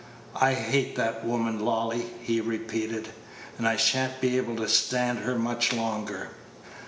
"I hate that woman, Lolly," he repeated, "and I shan't be able to stand her much longer."